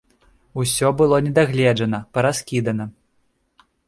Усё было не дагледжана, параскідана.